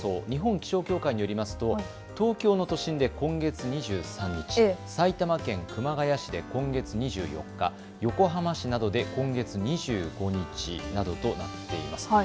日本気象協会によりますと東京の都心で今月２３日、埼玉県熊谷市で今月２４日、横浜市などで今月２５日などとなっています。